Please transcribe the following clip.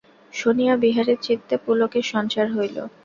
শুনিয়া বিহারীর চিত্তে পুলকের সঞ্চার হইল।